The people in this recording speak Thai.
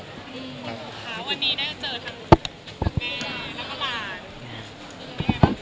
วันนี้ได้เจอทางแม่ในบุภาค